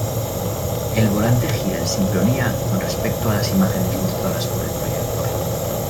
El volante gira en sincronía con respecto a las imágenes mostradas por el proyector.